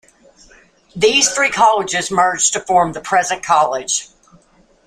These three colleges merged to form the present college.